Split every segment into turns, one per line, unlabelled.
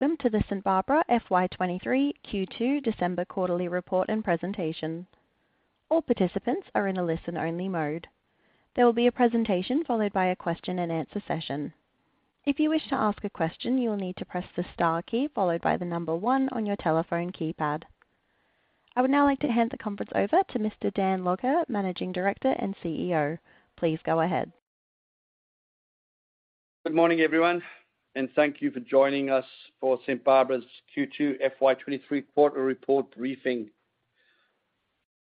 Welcome to the St Barbara FY 2023 Q2 December quarterly report and presentation. All participants are in a listen only mode. There will be a presentation followed by a question and answer session. If you wish to ask a question, you will need to press the star key followed by number one on your telephone keypad. I would now like to hand the conference over to Mr. Dan Lougher, Managing Director and CEO. Please go ahead.
Good morning, everyone, and thank you for joining us for St Barbara's Q2 FY23 quarter report briefing.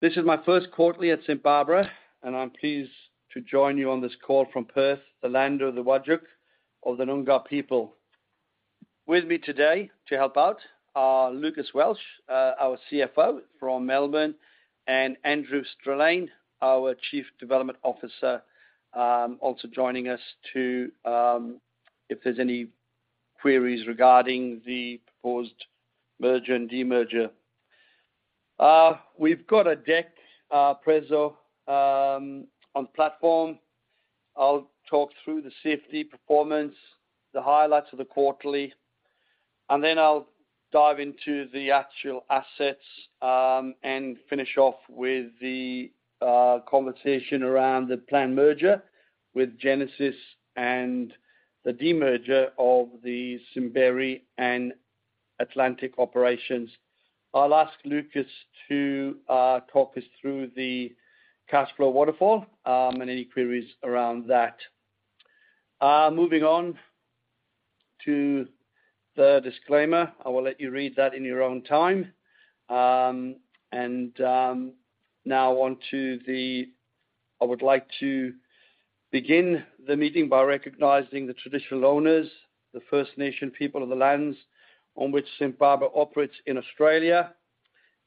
This is my first quarterly at St Barbara, and I'm pleased to join you on this call from Perth, the land of the Whadjuk of the Noongar people. With me today to help out are Lucas Welsh, our CFO from Melbourne, and Andrew Strelein, our Chief Development Officer, also joining us to, if there's any queries regarding the proposed merger and demerger. We've got a deck, preso, on platform. I'll talk through the safety performance, the highlights of the quarterly, and then I'll dive into the actual assets, and finish off with the conversation around the planned merger with Genesis and the demerger of the Simberi and Atlantic operations. I'll ask Lucas to talk us through the cash flow waterfall, and any queries around that. Moving on to the disclaimer. I will let you read that in your own time. I would like to begin the meeting by recognizing the traditional owners, the First Nations people of the lands on which St Barbara operates in Australia,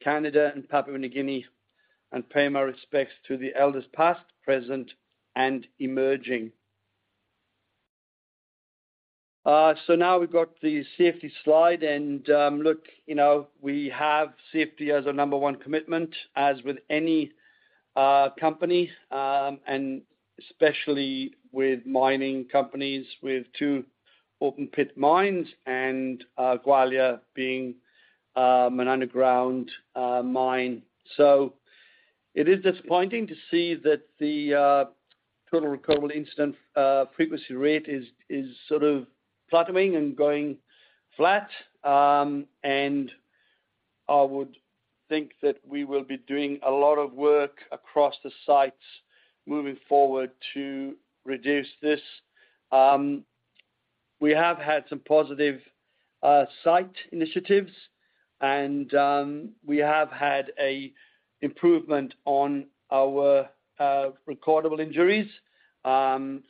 Canada and Papua New Guinea, and pay my respects to the elders past, present, and emerging. Now we've got the safety slide and, look, you know, we have safety as our number one commitment, as with any company, and especially with mining companies with two open pit mines and Gwalia being an underground mine. It is disappointing to see that the Total Recordable Incident Frequency Rate is plateauing and going flat. I would think that we will be doing a lot of work across the sites moving forward to reduce this. We have had some positive site initiatives and we have had an improvement on our recordable injuries from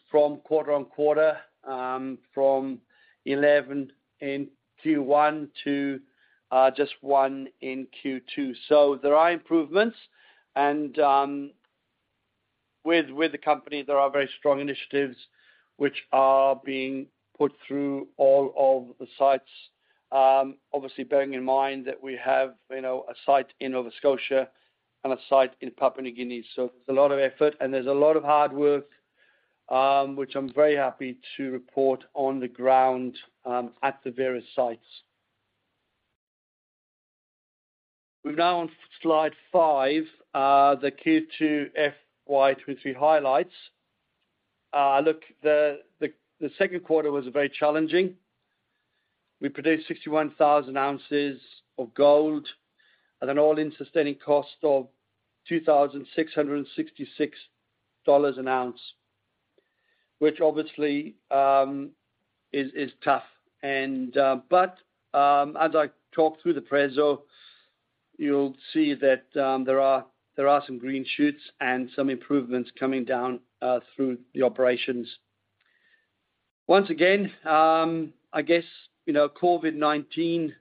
quarter-on-quarter, from 11 in Q1 to just one in Q2. There are improvements and with the company, there are very strong initiatives which are being put through all of the sites. Obviously bearing in mind that we have, you know, a site in Nova Scotia and a site in Papua New Guinea. There's a lot of effort and there's a lot of hard work, which I'm very happy to report on the ground, at the various sites. We're now on slide five, the Q2 FY23 highlights. Look, the second quarter was very challenging. We produced 61,000 ounces of gold at an all-in sustaining cost of 2,666 dollars an ounce, which obviously is tough. As I talk through the preso, you'll see that there are some green shoots and some improvements coming down through the operations. Once again, I guess, you know, COVID-19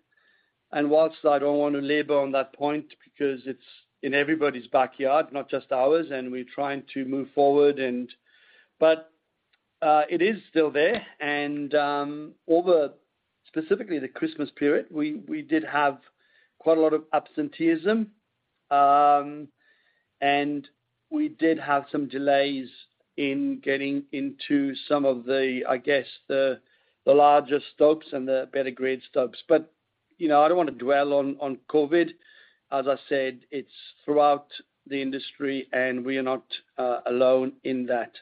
and whilst I don't want to labor on that point because it's in everybody's backyard, not just ours, and we're trying to move forward. It is still there. Over specifically the Christmas period, we did have quite a lot of absenteeism, and we did have some delays in getting into some of the, I guess, the larger stocks and the better grade stocks. You know, I don't wanna dwell on COVID. As I said, it's throughout the industry and we are not alone in that.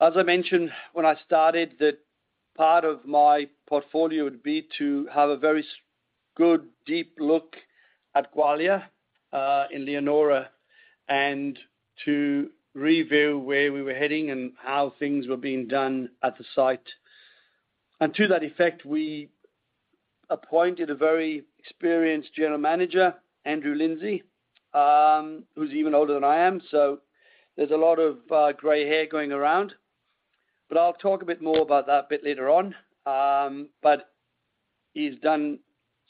As I mentioned when I started, that part of my portfolio would be to have a very good, deep look at Gwalia in Leonora and to review where we were heading and how things were being done at the site. To that effect, we appointed a very experienced General Manager, Andrew Lindsay, who's even older than I am. There's a lot of gray hair going around, but I'll talk a bit more about that a bit later on. He's done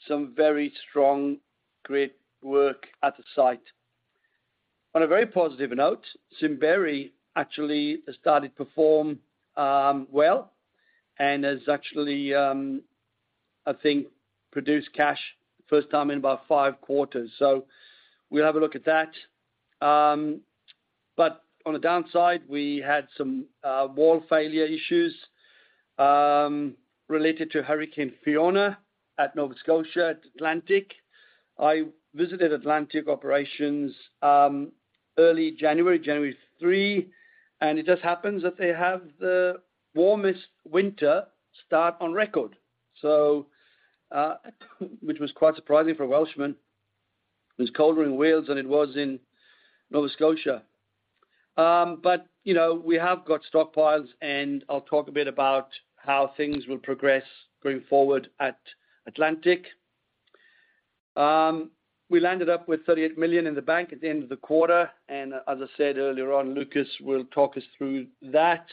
some very strong, great work at the site. On a very positive note, Simberi actually has started perform well and has actually, I think produced cash first time in about 5 quarters. We'll have a look at that. On the downside, we had some wall failure issues related to Hurricane Fiona at Nova Scotia, at Atlantic. I visited Atlantic operations, early January 3, it just happens that they have the warmest winter start on record. Which was quite surprising for a Welshman. It was colder in Wales than it was in Nova Scotia. You know, we have got stockpiles, I'll talk a bit about how things will progress going forward at Atlantic. We landed up with 38 million in the bank at the end of the quarter, and as I said earlier on, Lucas will talk us through that.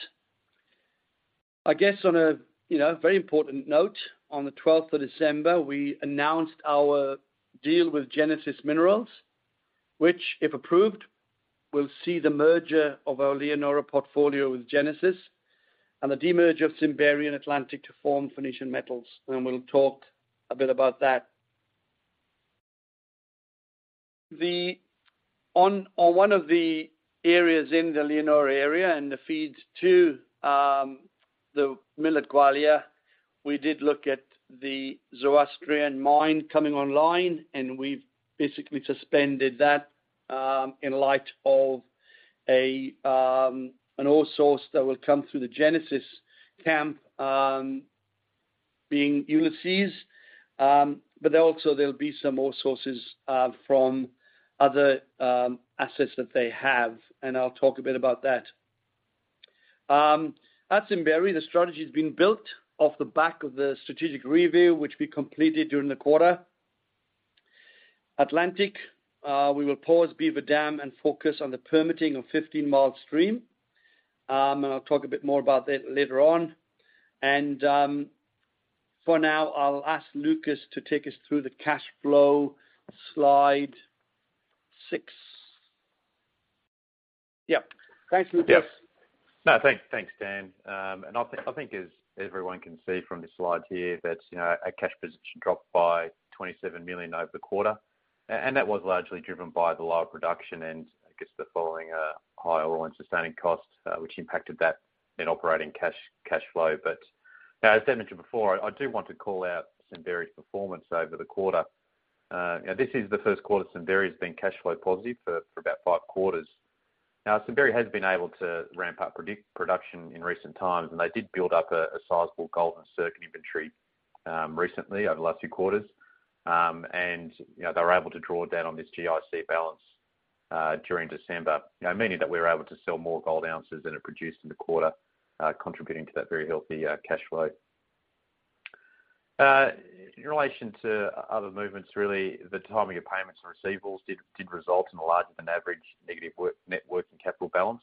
I guess on a, you know, very important note, on the 12th of December, we announced our deal with Genesis Minerals, which, if approved, will see the merger of our Leonora portfolio with Genesis and the demerge of Simberi and Atlantic to form Phoenician Metals. We'll talk a bit about that. On one of the areas in the Leonora area and the feeds to the Gwalia mill, we did look at the Zoroastrian Mine coming online, and we've basically suspended that in light of an ore source that will come through the Genesis camp, being Ulysses. Also there'll be some ore sources from other assets that they have, and I'll talk a bit about that. At Simberi, the strategy has been built off the back of the strategic review, which we completed during the quarter. Atlantic, we will pause Beaver Dam and focus on the permitting of Fifteen Mile Stream. I'll talk a bit more about that later on. For now, I'll ask Lucas to take us through the cash flow slide 6. Yep. Thanks, Lucas.
Yeah. No, thanks, Dan. I think as everyone can see from the slides here that, you know, our cash position dropped by 27 million over the quarter. That was largely driven by the lower production and I guess the following higher all-in sustaining costs, which impacted that in operating cash flow. As I mentioned before, I do want to call out Simberi's performance over the quarter. This is the first quarter Simberi's been cash flow positive for about 5 quarters. Now, Simberi has been able to ramp up production in recent times, and they did build up a sizable gold in circuit inventory recently over the last few quarters. You know, they were able to draw down on this GIC balance during December. You know, meaning that we were able to sell more gold ounces than it produced in the quarter, contributing to that very healthy cash flow. In relation to other movements, really the timing of payments and receivables did result in a larger-than-average negative net working capital balance.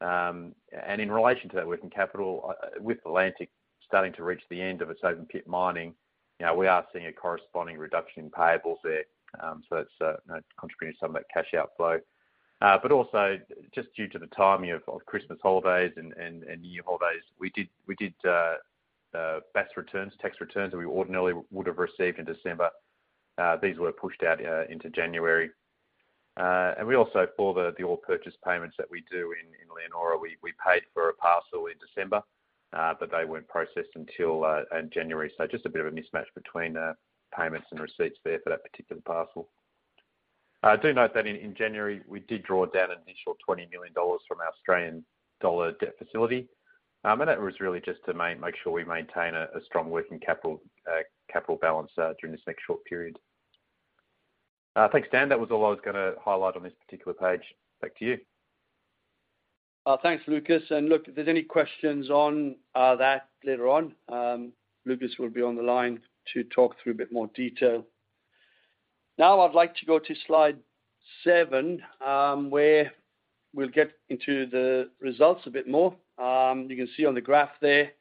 And in relation to that working capital, with Atlantic starting to reach the end of its open pit mining, you know, we are seeing a corresponding reduction in payables there. It's, you know, contributing to some of that cash outflow. But also just due to the timing of Christmas holidays and New Year holidays, we did BAS returns, tax returns that we ordinarily would have received in December. These were pushed out into January. We also, for the oil purchase payments that we do in Leonora, we paid for a parcel in December, but they weren't processed until January. Just a bit of a mismatch between payments and receipts there for that particular parcel. I do note that in January, we did draw down an initial 20 million dollars from our Australian dollar debt facility. That was really just to make sure we maintain a strong working capital balance during this next short period. Thanks, Dan. That was all I was gonna highlight on this particular page. Back to you.
Thanks, Lucas. Look, if there's any questions on that later on, Lucas will be on the line to talk through a bit more detail. Now I'd like to go to slide seven, where we'll get into the results a bit more. You can see on the graph there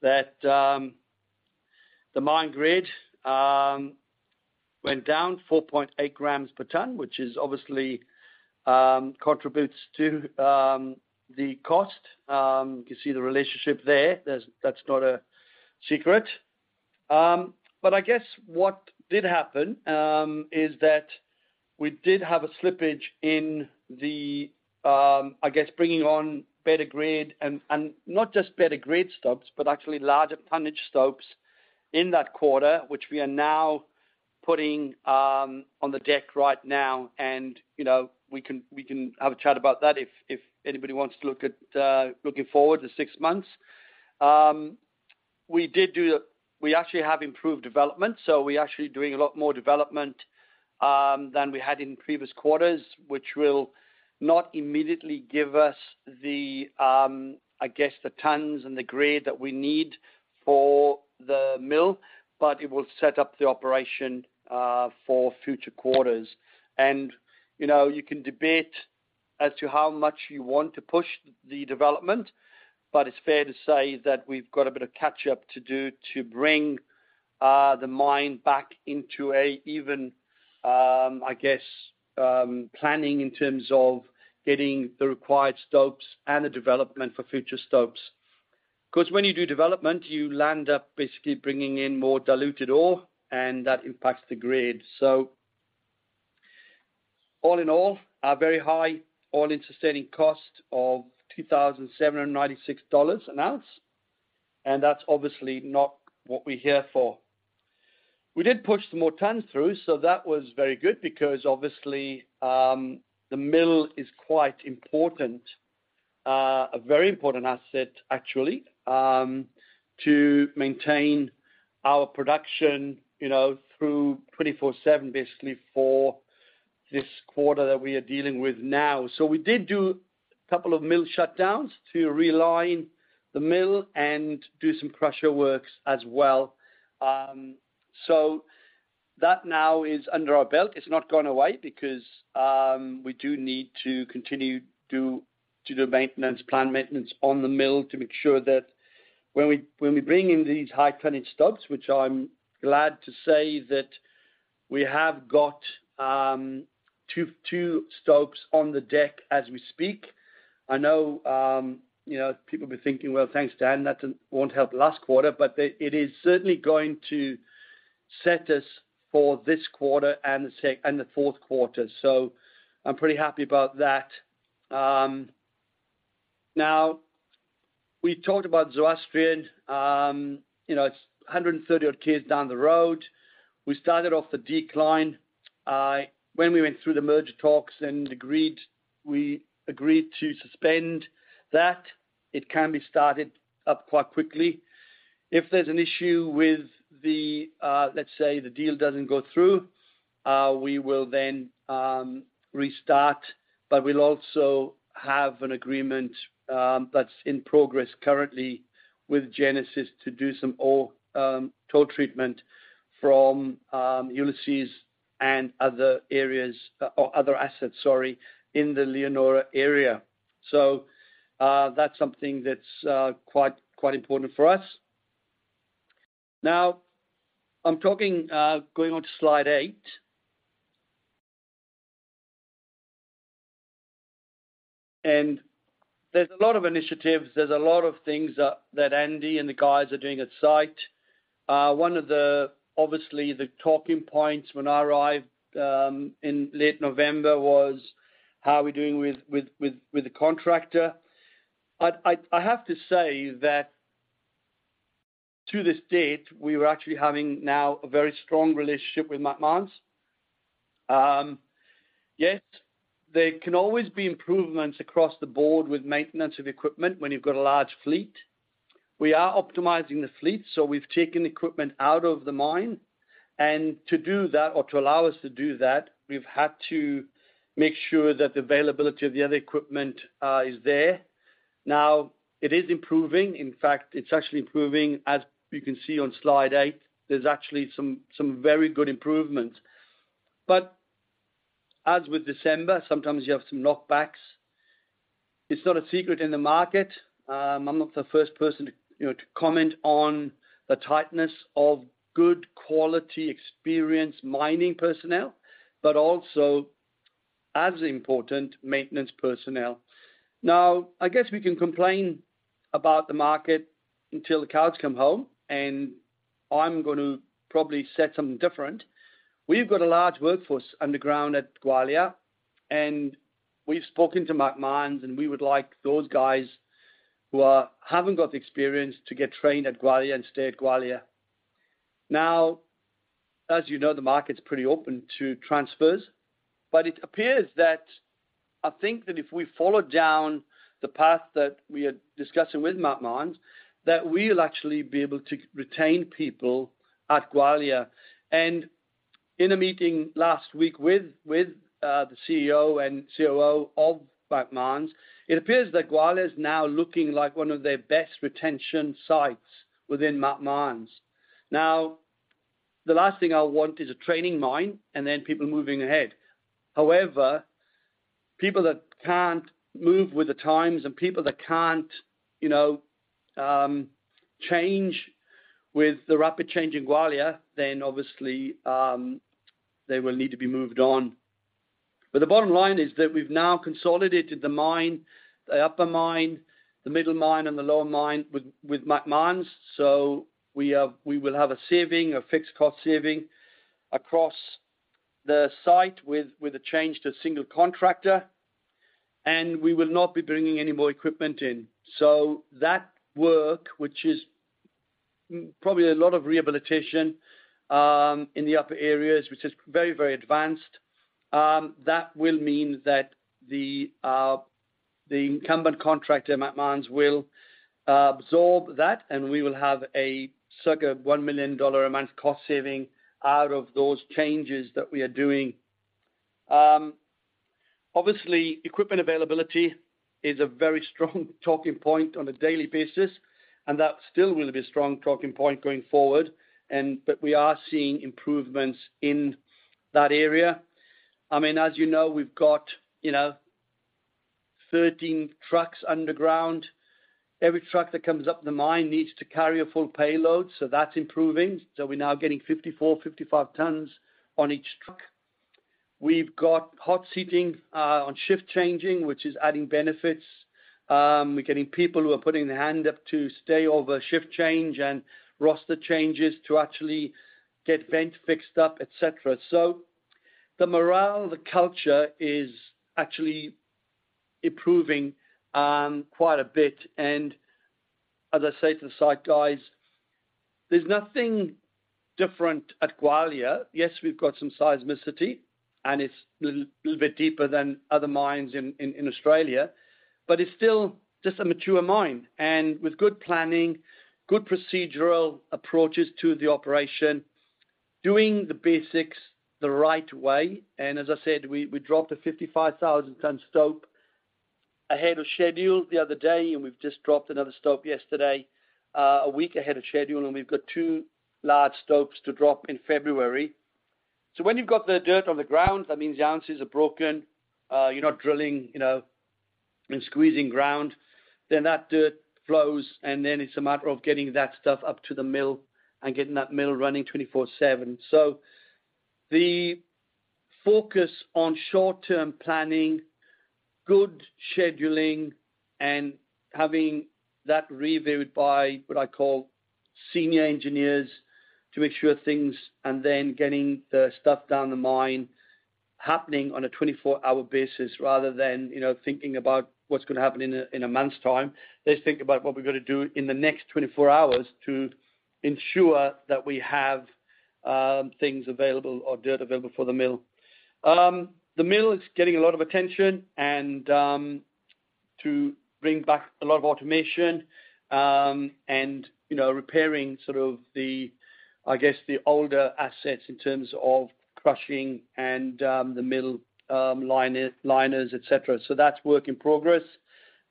that the mine grade went down 4.8 grams per ton, which is obviously contributes to the cost. You can see the relationship there. That's not a secret. I guess what did happen is that we did have a slippage in the, I guess, bringing on better grade and not just better grade stopes, but actually larger tonnage stopes in that quarter, which we are now putting on the deck right now. You know, we can, we can have a chat about that if anybody wants to look at looking forward the six months. We actually have improved development. We're actually doing a lot more development than we had in previous quarters, which will not immediately give us the, I guess, the tons and the grade that we need for the mill, but it will set up the operation for future quarters. You know, you can debate as to how much you want to push the development, but it's fair to say that we've got a bit of catch up to do to bring the mine back into a even, I guess, planning in terms of getting the required stopes and the development for future stopes. 'Cause when you do development, you land up basically bringing in more diluted ore, and that impacts the grade. All in all, our very high all-in sustaining cost of 2,796 dollars an ounce, and that's obviously not what we're here for. We did push some more tons through, so that was very good because obviously, the mill is quite important, a very important asset, actually, to maintain our production, you know, through 24/7, basically, for this quarter that we are dealing with now. We did do a couple of mill shutdowns to realign the mill and do some crusher works as well. That now is under our belt. It's not gone away because we do need to continue to do maintenance, plan maintenance on the mill to make sure that when we, when we bring in these high-tonnage stopes, which I'm glad to say that we have got two stopes on the deck as we speak. I know, you know, people will be thinking, well, thanks, Dan, that won't help last quarter, but it is certainly going to set us for this quarter and the fourth quarter. I'm pretty happy about that. Now, we talked about Zoroastrian, you know, it's 130 odd km down the road. We started off the decline, when we went through the merger talks and agreed to suspend that. It can be started up quite quickly. If there's an issue with the, let's say, the deal doesn't go through, we will then restart. We'll also have an agreement that's in progress currently with Genesis to do some ore tote treatment from Ulysses and other areas, or other assets, sorry, in the Leonora area. That's something that's quite important for us. Now, I'm talking, going on to slide 8. There's a lot of initiatives, there's a lot of things that Andy and the guys are doing at site. One of the, obviously the talking points when I arrived in late November was, how are we doing with the contractor? I have to say that to this date, we are actually having now a very strong relationship with Macmahon. Yes, there can always be improvements across the board with maintenance of equipment when you've got a large fleet. We are optimizing the fleet, so we've taken equipment out of the mine. To do that or to allow us to do that, we've had to make sure that the availability of the other equipment is there. Now, it is improving. In fact, it's actually improving. As you can see on slide eight, there's actually some very good improvements. As with December, sometimes you have some knockbacks. It's not a secret in the market. I'm not the first person, you know, to comment on the tightness of good quality, experienced mining personnel, but also, as important, maintenance personnel. I guess we can complain about the market until the cows come home, and I'm gonna probably set something different. We've got a large workforce underground at Gwalia, and we've spoken to Macmahon's, and we would like those guys who haven't got the experience to get trained at Gwalia and stay at Gwalia. As you know, the market's pretty open to transfers, but it appears that I think that if we follow down the path that we are discussing with Macmahon's, that we'll actually be able to retain people at Gwalia. In a meeting last week with the CEO and COO of Macmahon's, it appears that Gwalia is now looking like one of their best retention sites within Macmahon's. The last thing I want is a training mine and then people moving ahead. People that can't move with the times and people that can't, you know, change with the rapid change in Gwalia, then obviously, they will need to be moved on. The bottom line is that we've now consolidated the mine, the upper mine, the middle mine and the lower mine with Macmahon's. We will have a saving, a fixed cost saving across the site with a change to a single contractor, and we will not be bringing any more equipment in. That work, which is probably a lot of rehabilitation, in the upper areas, which is very, very advanced, that will mean that the incumbent contractor, Macmahon's, will absorb that, and we will have a circa 1 million dollar a month cost saving out of those changes that we are doing. obviously, equipment availability is a very strong talking point on a daily basis, and that still will be a strong talking point going forward and, but we are seeing improvements in that area. I mean, as you know, we've got, you know, 13 trucks underground. Every truck that comes up the mine needs to carry a full payload, so that's improving. We're now getting 54, 55 tons on each truck. We've got hot seating, on shift changing, which is adding benefits. We're getting people who are putting their hand up to stay over shift change and roster changes to actually get vent fixed up, et cetera. The morale, the culture is actually improving, quite a bit. As I say to the site guys, there's nothing different at Gwalia. We've got some seismicity, it's little bit deeper than other mines in Australia, but it's still just a mature mine. With good planning, good procedural approaches to the operation, doing the basics the right way, and as I said, we dropped a 55,000 ton stope ahead of schedule the other day, and we've just dropped another stope yesterday, a week ahead of schedule, and we've got two large stopes to drop in February. When you've got the dirt on the ground, that means the ounces are broken, you're not drilling, you know, and squeezing ground, then that dirt flows, and then it's a matter of getting that stuff up to the mill and getting that mill running 24/7. The focus on short-term planning, good scheduling, and having that reviewed by what I call senior engineers to make sure things, and then getting the stuff down the mine happening on a 24-hour basis rather than, you know, thinking about what's gonna happen in a, in a month's time. Let's think about what we're gonna do in the next 24 hours to ensure that we have things available or dirt available for the mill. The mill is getting a lot of attention and to bring back a lot of automation and, you know, repairing sort of the, I guess, the older assets in terms of crushing and the mill, liners, et cetera. That's work in progress.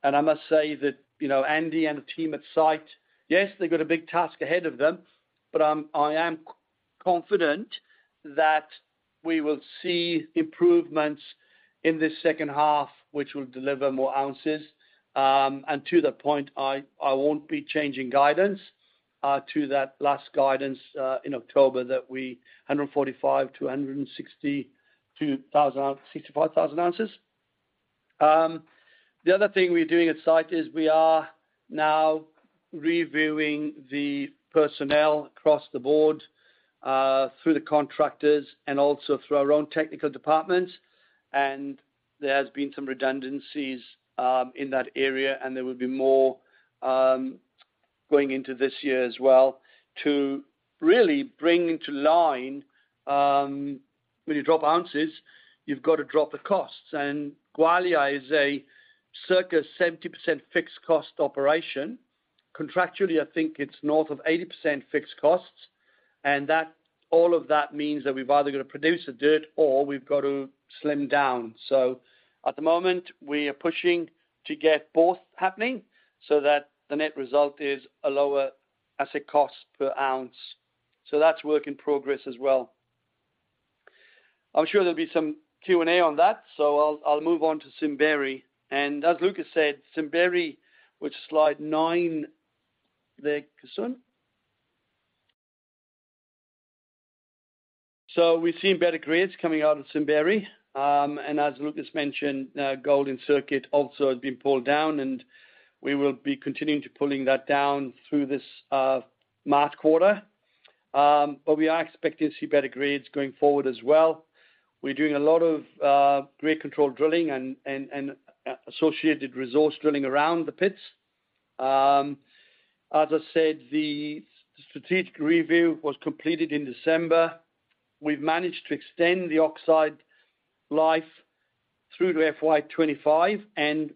I must say that, you know, Andy and the team at site, yes, they've got a big task ahead of them, but I am confident that we will see improvements in this second half, which will deliver more ounces. To that point, I won't be changing guidance to that last guidance in October that we 145,000-165,000 ounces. The other thing we're doing at site is we are now reviewing the personnel across the board through the contractors and also through our own technical departments. There has been some redundancies in that area, and there will be more going into this year as well to really bring into line, when you drop ounces, you've got to drop the costs. Gwalia is a circa 70% fixed cost operation. Contractually, I think it's north of 80% fixed costs. That means that we've either got to produce the dirt or we've got to slim down. At the moment, we are pushing to get both happening so that the net result is a lower asset cost per ounce. That's work in progress as well. I'm sure there'll be some Q&A on that, so I'll move on to Simberi. As Lucas said, Simberi, which is slide nine there, Kasun. We've seen better grades coming out of Simberi. As Lucas mentioned, gold in circuit also has been pulled down, and we will be continuing to pulling that down through this March quarter. We are expecting to see better grades going forward as well. We're doing a lot of grade control drilling and associated resource drilling around the pits. As I said, the strategic review was completed in December. We've managed to extend the oxide life through to FY 25, and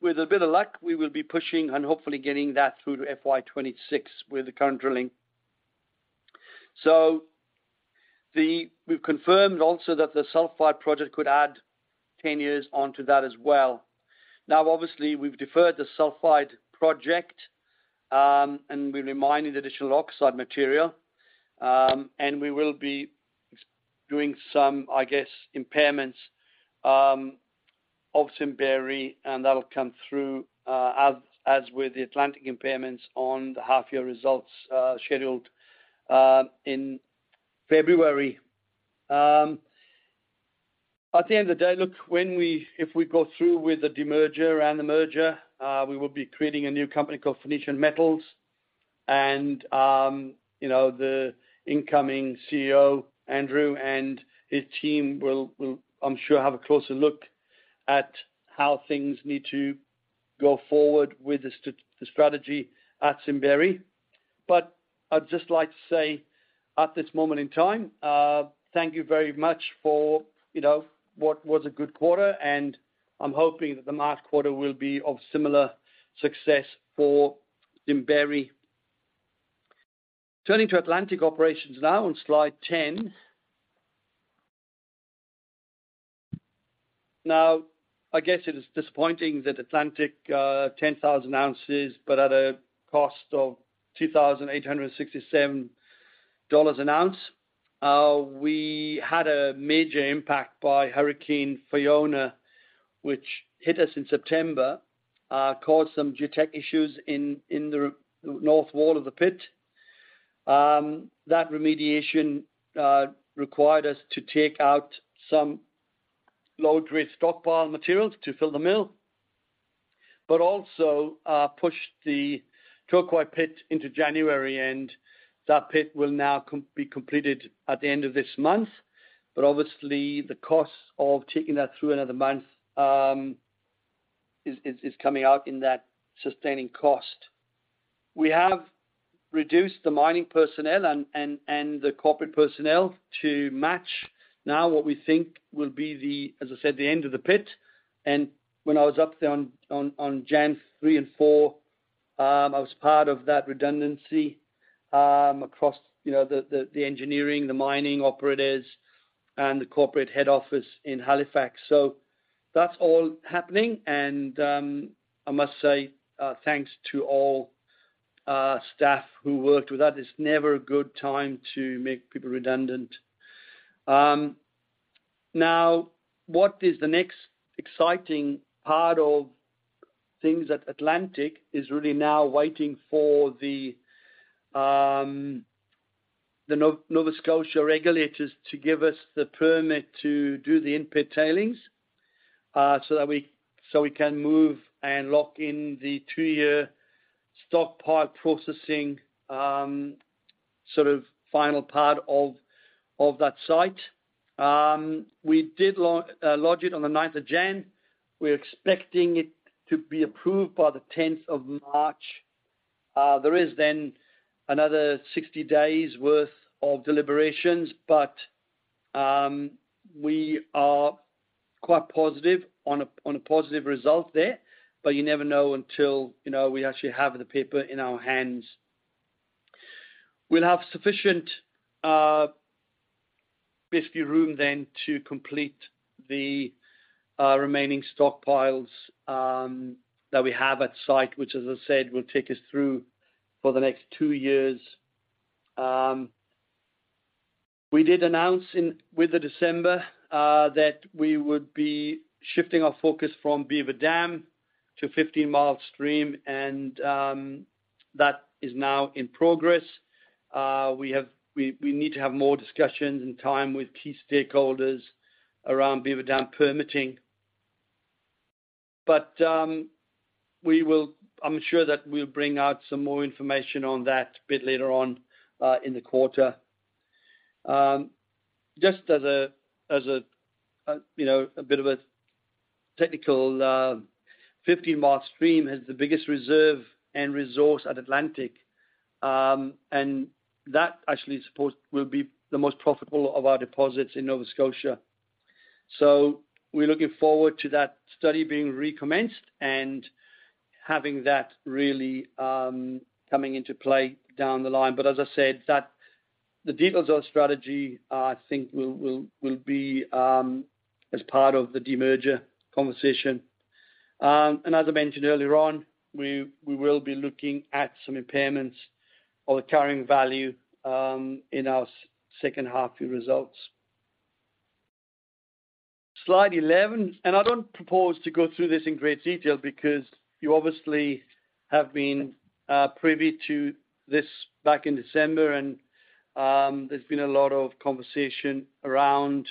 with a bit of luck, we will be pushing and hopefully getting that through to FY 26 with the current drilling. We've confirmed also that the sulfide project could add ten years onto that as well. Obviously, we've deferred the sulfide project, and we're mining additional oxide material, and we will be doing some, I guess, impairments of Simberi, and that'll come through as with the Atlantic impairments on the half-year results scheduled in February. At the end of the day, look, when we if we go through with the demerger and the merger, we will be creating a new company called Phoenician Metals. You know, the incoming CEO, Andrew, and his team will, I'm sure, have a closer look at how things need to go forward with the strategy at Simberi. I'd just like to say at this moment in time, thank you very much for, you know, what was a good quarter, and I'm hoping that the March quarter will be of similar success for Simberi. Turning to Atlantic operations now on slide ten. I guess it is disappointing that Atlantic, 10,000 ounces but at a cost of 2,867 dollars an ounce. We had a major impact by Hurricane Fiona, which hit us in September. Caused some geotech issues in the north wall of the pit. That remediation required us to take out some low-grade stockpile materials to fill the mill, but also push the Touquoy pit into January, and that pit will now be completed at the end of this month. Obviously, the cost of taking that through another month is coming out in that sustaining cost. We have reduced the mining personnel and the corporate personnel to match now what we think will be the, as I said, the end of the pit. When I was up there on January 3 and 4, I was part of that redundancy across, you know, the engineering, the mining operators and the corporate head office in Halifax. That's all happening and I must say, thanks to all staff who worked with that. It's never a good time to make people redundant. What is the next exciting part of things at Atlantic is really now waiting for the Nova Scotia regulators to give us the permit to do the in-pit tailings so that we can move and lock in the 2-year stockpile processing sort of final part of that site. We did lodge it on the 9th of January. We're expecting it to be approved by the 10th of March. There is then another 60 days worth of deliberations, but we are quite positive on a, on a positive result there. You never know until, you know, we actually have the paper in our hands. We'll have sufficient, basically room then to complete the remaining stockpiles that we have at site, which as I said, will take us through for the next two years. We did announce with the December that we would be shifting our focus from Beaver Dam to 15 Mile Stream and that is now in progress. We need to have more discussions and time with key stakeholders around Beaver Dam permitting. I'm sure that we'll bring out some more information on that a bit later on in the quarter. Just as a, as a, you know, a bit of a technical, Fifteen Mile Stream has the biggest reserve and resource at Atlantic, and that actually suppose will be the most profitable of our deposits in Nova Scotia. We're looking forward to that study being recommenced and having that really coming into play down the line. As I said, that the details of strategy, I think, will be as part of the demerger conversation. As I mentioned earlier on, we will be looking at some impairments of the carrying value, in our second half year results. Slide 11, I don't propose to go through this in great detail because you obviously have been privy to this back in December and there's been a lot of conversation around.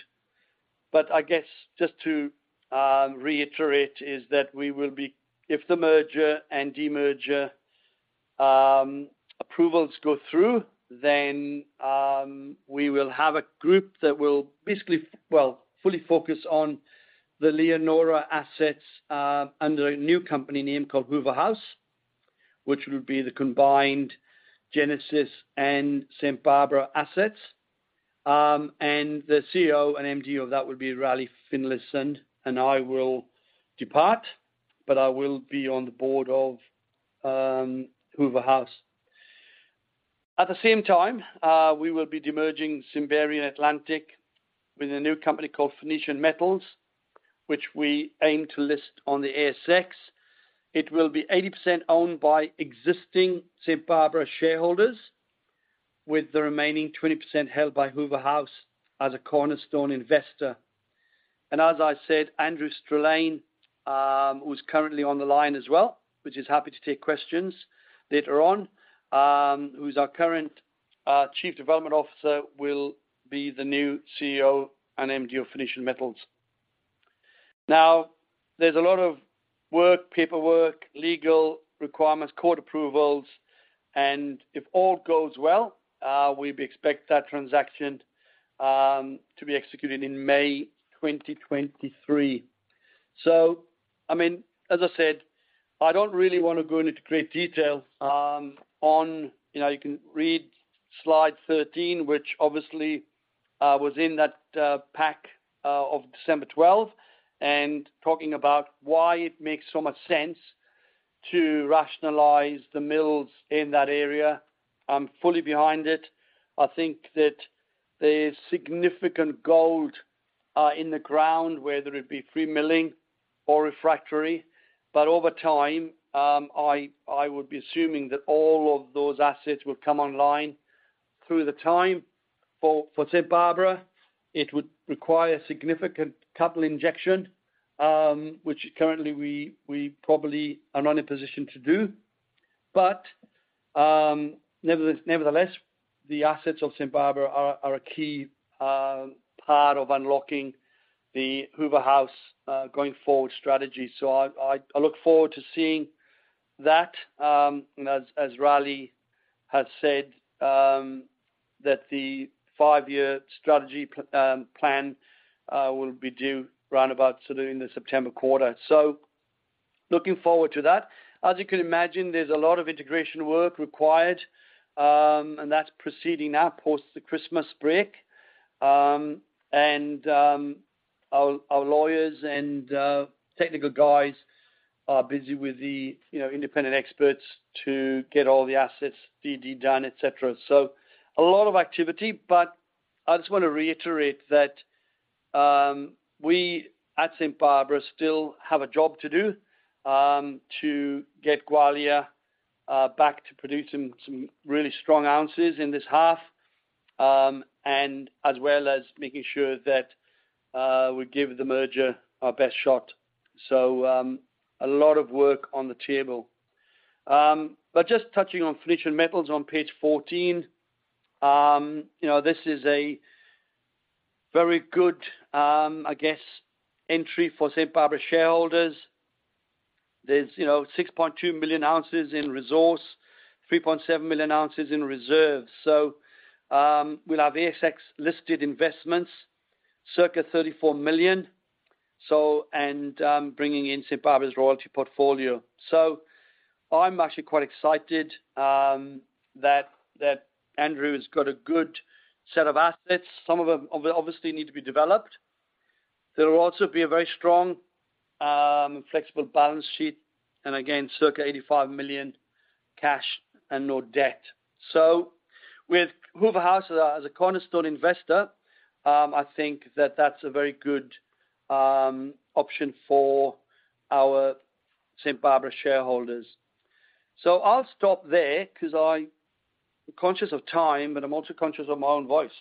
I guess just to reiterate is that if the merger and demerger approvals go through, then we will have a group that will basically, well, fully focus on the Leonora assets under a new company name called Hoover House, which would be the combined Genesis and St Barbara assets. The CEO and MD of that would be Raleigh Finlayson, and I will depart, but I will be on the board of Hoover House. At the same time, we will be demerging Simberi Atlantic with a new company called Phoenician Metals, which we aim to list on the ASX. It will be 80% owned by existing St Barbara shareholders, with the remaining 20% held by Hoover House as a cornerstone investor. As I said, Andrew Strelein, who's currently on the line as well, which is happy to take questions later on, who's our current Chief Development Officer will be the new CEO and MD of Phoenician Metals. There's a lot of work, paperwork, legal requirements, court approvals, and if all goes well, we expect that transaction to be executed in May 2023. I mean, as I said, I don't really wanna go into great detail on, you know, you can read slide 13, which obviously was in that pack of December 12, and talking about why it makes so much sense to rationalize the mills in that area. I'm fully behind it. I think that there's significant gold in the ground, whether it be free milling or refractory. Over time, I would be assuming that all of those assets will come online. Through the time for St Barbara, it would require significant capital injection, which currently we probably are not in a position to do. Nevertheless, the assets of St Barbara are a key part of unlocking the Hoover House going forward strategy. I look forward to seeing that, as Raleigh has said, that the five-year strategy plan will be due round about sort of in the September quarter. Looking forward to that. As you can imagine, there's a lot of integration work required, and that's proceeding now post the Christmas break. Our, our lawyers and technical guys are busy with the, you know, independent experts to get all the assets DD done, et cetera. A lot of activity. I just want to reiterate that we at St Barbara still have a job to do to get Gwalia back to producing some really strong ounces in this half, and as well as making sure that we give the merger our best shot. A lot of work on the table. Just touching on Phoenicia Metals on page 14. You know, this is a very good, I guess, entry for St Barbara shareholders. There's, you know, 6.2 million ounces in resource, 3.7 million ounces in reserves. With our ASX listed investments, circa 34 million, so and bringing in St. Barbara's royalty portfolio. I'm actually quite excited that Andrew has got a good set of assets. Some of them obviously need to be developed. There will also be a very strong, flexible balance sheet and again, circa 85 million cash and no debt. With Hoover House as a, as a cornerstone investor, I think that's a very good option for our St Barbara shareholders. I'll stop there 'cause I am conscious of time, and I'm also conscious of my own voice.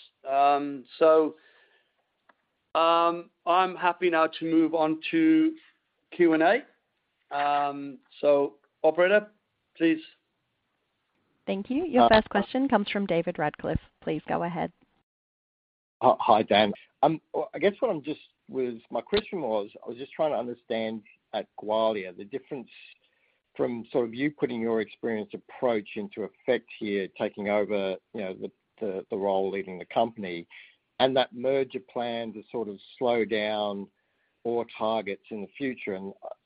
I'm happy now to move on to Q&A. Operator, please.
Thank you. Your first question comes from David Radclyffe. Please go ahead.
Hi, Dan. Well, I guess my question was, I was just trying to understand at Gwalia, the difference from sort of you putting your experience approach into effect here, taking over, you know, the role leading the company and that merger plan to sort of slow down ore targets in the future.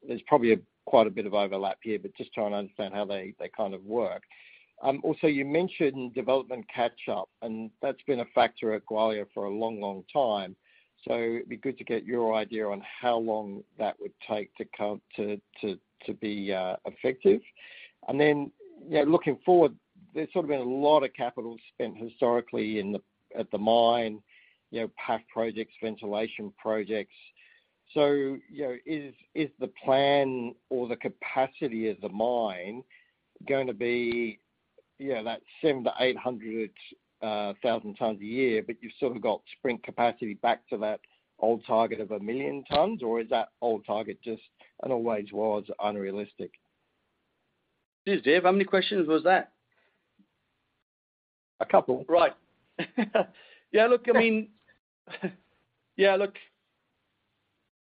There's probably quite a bit of overlap here, but just trying to understand how they kind of work. Also you mentioned development catch-up, and that's been a factor at Gwalia for a long time. It'd be good to get your idea on how long that would take to come to be effective. You know, looking forward, there's sort of been a lot of capital spent historically at the mine, you know, past projects, ventilation projects. You know, is the plan or the capacity of the mine gonna be, you know, that 700,000-800,000 tons a year, but you've sort of got to bring capacity back to that old target of 1 million tons? Or is that old target just and always was unrealistic?
Geez, Dave, how many questions was that?
A couple.
Right. Yeah, look, I mean. Yeah, look,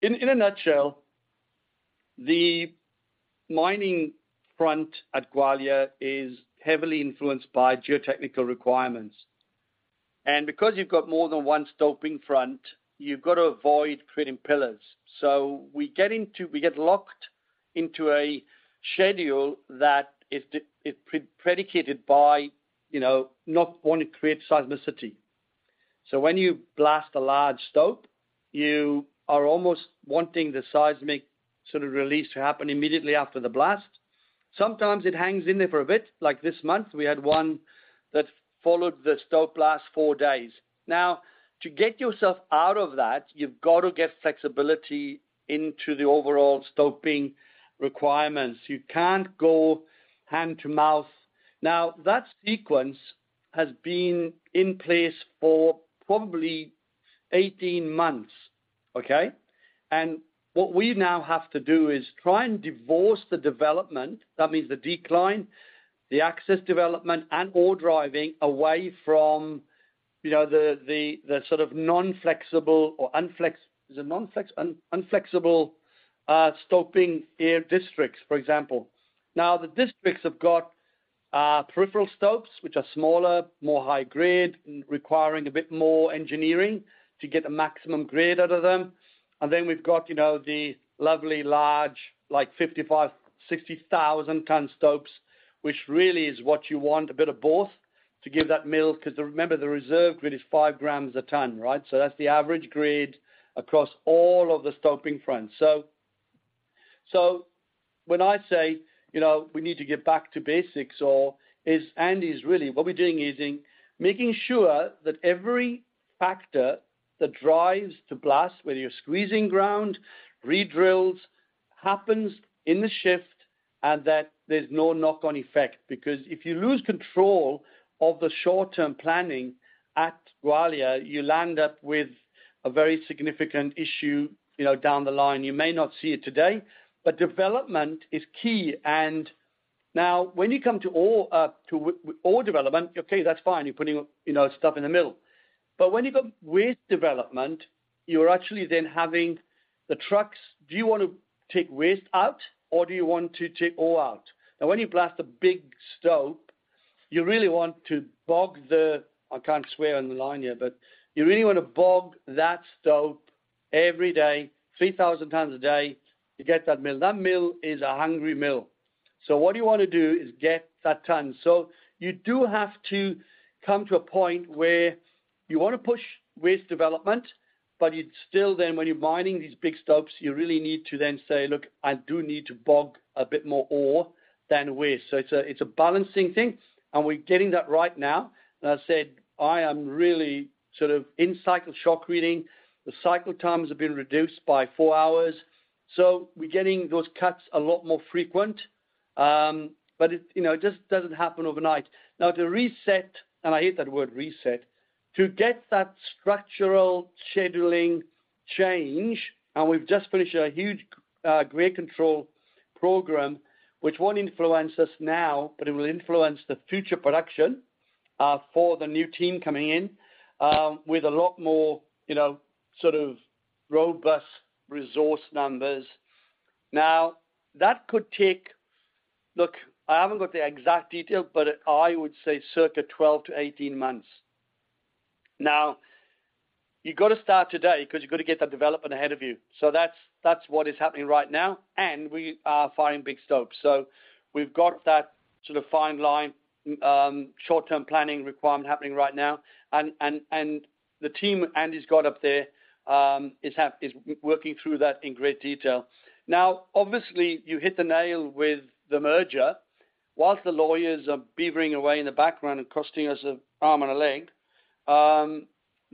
in a nutshell, the mining front at Gwalia is heavily influenced by geotechnical requirements. Because you've got more than one stoping front, you've got to avoid creating pillars. We get locked into a schedule that is predicated by, you know, not wanting to create seismicity. When you blast a large stope, you are almost wanting the seismic sort of release to happen immediately after the blast. Sometimes it hangs in there for a bit. Like this month, we had one that followed the stope blast four days. To get yourself out of that, you've got to get flexibility into the overall stoping requirements. You can't go hand to mouth. That sequence has been in place for probably 18 months, okay? What we now have to do is try to divorce the development. That means the decline, the access development and ore driving away from, you know, the sort of non-flexible or Is it non-flex? unflexible stoping districts, for example. The districts have got peripheral stopes, which are smaller, more high grade, and requiring a bit more engineering to get a maximum grade out of them. Then we've got, you know, the lovely large, like 55,000, 60,000 ton stopes, which really is what you want, a bit of both to give that mill. 'Cause remember the reserve grade is five grams a ton, right? That's the average grade across all of the stoping fronts. When I say, you know, we need to get back to basics or is Andy's really, what we're doing is in making sure that every factor that drives to blast, whether you're squeezing ground, re-drills happens in the shift and that there's no knock-on effect because if you lose control of the short-term planning at Gwalia, you'll end up with a very significant issue, you know, down the line. You may not see it today, development is key. When you come to ore development, okay, that's fine, you're putting, you know, stuff in the middle. When you go waste development, you're actually then having the trucks. Do you wanna take waste out or do you want to take ore out? When you blast a big stope, you really want to bog the... I can't swear on the line here. You really wanna bog that stope every day, 3,000 times a day to get that mill. That mill is a hungry mill. What you wanna do is get that ton. You do have to come to a point where you wanna push waste development, but you'd still then, when you're mining these big stopes, you really need to then say, "Look, I do need to bog a bit more ore than waste." It's a balancing thing, and we're getting that right now. I said I am really sort of in cycle shock reading. The cycle times have been reduced by 4 hours. We're getting those cuts a lot more frequent. It, you know, it just doesn't happen overnight. To reset, and I hate that word reset, to get that structural scheduling change, we've just finished a huge grade control program, which won't influence us now, but it will influence the future production for the new team coming in with a lot more, you know, sort of robust resource numbers. That could take. Look, I haven't got the exact detail, but I would say circa 12-18 months. You gotta start today 'cause you've gotta get that development ahead of you. That's what is happening right now, we are finding big stopes. We've got that sort of fine line, short-term planning requirement happening right now. The team Andy's got up there is working through that in great detail. Obviously, you hit the nail with the merger. Whilst the lawyers are beavering away in the background and costing us an arm and a leg,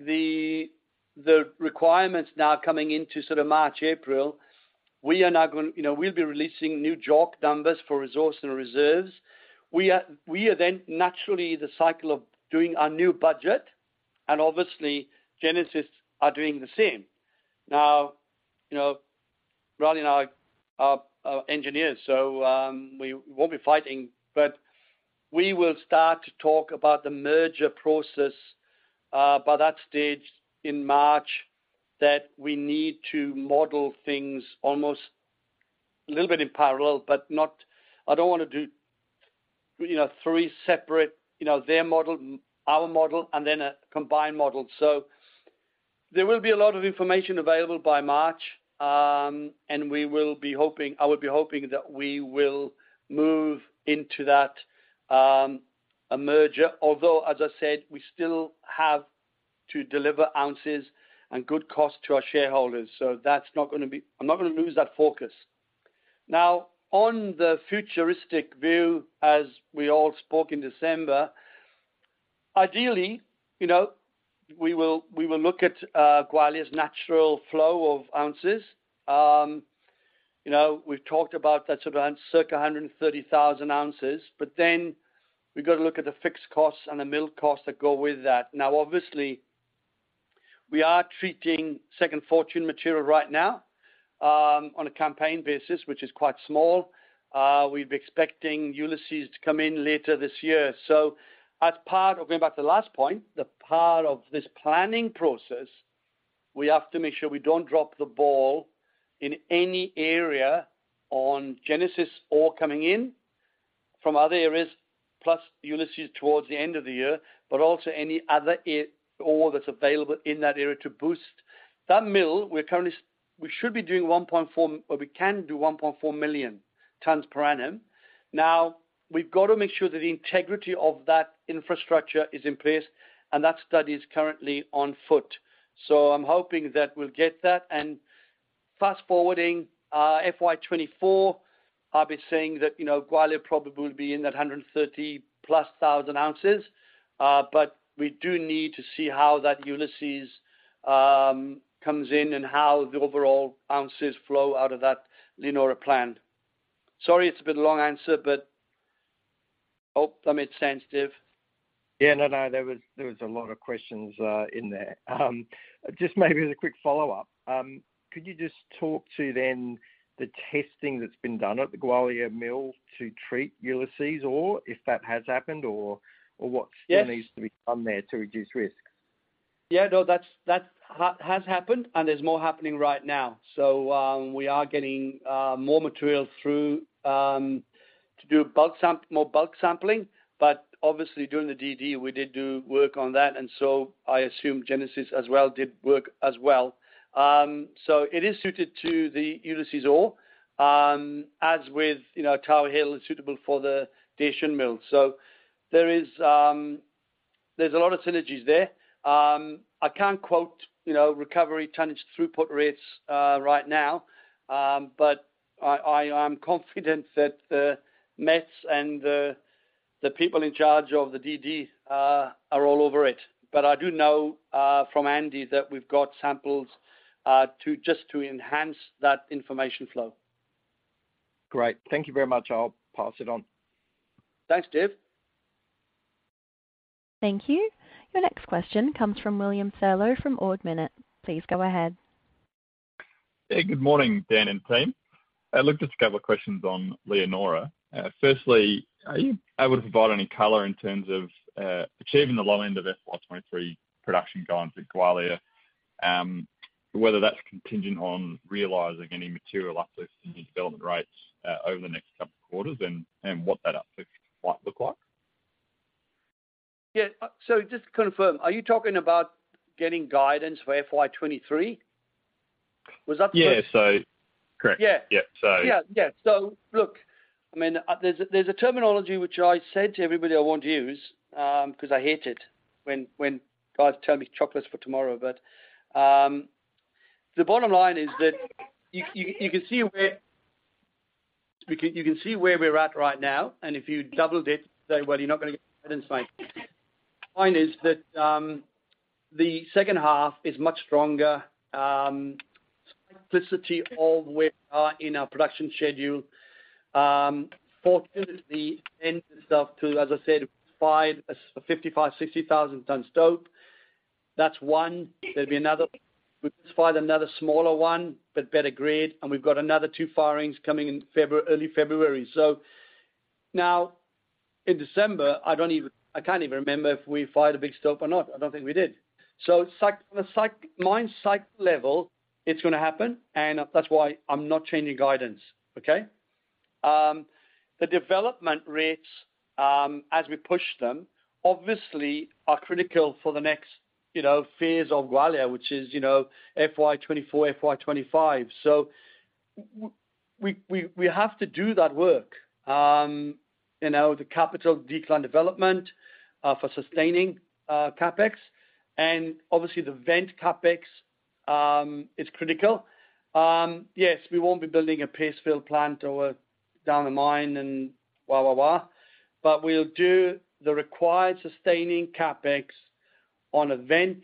the requirements now coming into sort of March, April, you know, we'll be releasing new JORC numbers for resource and reserves. We are then naturally the cycle of doing our new budget, and obviously Genesis are doing the same. you know, Raleigh and I are engineers, so we won't be fighting, but we will start to talk about the merger process by that stage in March, that we need to model things almost a little bit in parallel, but I don't wanna do, you know, three separate, you know, their model, our model, and then a combined model. There will be a lot of information available by March, and we will be hoping, I would be hoping that we will move into that, a merger. Although, as I said, we still have to deliver ounces and good cost to our shareholders, I'm not gonna lose that focus. On the futuristic view, as we all spoke in December, ideally, you know, we will look at Gwalia's natural flow of ounces. You know, we've talked about that's around circa 130,000 ounces. We've got to look at the fixed costs and the mill costs that go with that. Obviously, we are treating Second Fortune material right now, on a campaign basis, which is quite small. We'll be expecting Ulysses to come in later this year. As part of, going back to the last point, the part of this planning process, we have to make sure we don't drop the ball in any area on Genesis ore coming in from other areas, plus Ulysses towards the end of the year, but also any other ore that's available in that area to boost that mill. We should be doing 1.4 million tons per annum, or we can do 1.4 million tons per annum. Now, we've got to make sure that the integrity of that infrastructure is in place, and that study is currently on foot. I'm hoping that we'll get that. Fast-forwarding, FY 2024, I'll be saying that, you know, Gwalia probably will be in that 130+ thousand ounces. We do need to see how that Ulysses comes in and how the overall ounces flow out of that Leonora plant. Sorry, it's a bit long answer, but hope I made sense, Dave.
Yeah, no. There was a lot of questions in there. Just maybe as a quick follow-up. Could you just talk to then the testing that's been done at the Gwalia mill to treat Ulysses ore, if that has happened, or what-
Yes.
Still needs to be done there to reduce risk?
No, that's has happened, there's more happening right now. We are getting more material through to do more bulk sampling. Obviously, during the DD, we did do work on that, I assume Genesis as well did work as well. It is suited to the Ulysses ore, as with, you know, Tower Hill is suitable for the Desdemona mill. There's a lot of synergies there. I can't quote, you know, recovery tonnage throughput rates right now. I am confident that the Mets and the people in charge of the DD are all over it. I do know from Andy that we've got samples to just to enhance that information flow.
Great. Thank you very much. I'll pass it on.
Thanks, Dave.
Thank you. Your next question comes from William Saylor from Ord Minnett. Please go ahead.
Hey, good morning, Dan and team. I look just a couple of questions on Leonora. Firstly, are you able to provide any color in terms of achieving the low end of FY23 production guidance at Gwalia? Whether that's contingent on realizing any material uplifts in these development rates over the next couple of quarters and what that uplift might look like?
Yeah. Just to confirm, are you talking about getting guidance for FY 23?
Yeah. Correct.
Yeah.
Yeah.
Yeah. Yeah. Look, I mean, there's a terminology which I said to everybody I want to use, 'cause I hate it when guys tell me chocolate's for tomorrow. The bottom line is that you can see where we're at right now, and if you doubled it, say, well, you're not gonna get Mine is that, the second half is much stronger, simplicity of where we are in our production schedule. Fortunately, end this up to, as I said, five, 55, 60,000 tonnes stope. That's one. There'd be another. We just find another smaller one, but better grade, and we've got another two firings coming in early February. Now in December, I can't even remember if we fired a big stope or not. I don't think we did. psych, the mine cycle level, it's gonna happen, and that's why I'm not changing guidance. Okay? The development rates, as we push them, obviously are critical for the next, you know, phase of Gwalia, which is, you know, FY 2024, FY 2025. We have to do that work. You know, the capital decline development for sustaining CapEx, and obviously the vent CapEx, is critical. Yes, we won't be building a paste fill plant or down a mine. We'll do the required sustaining CapEx on a vent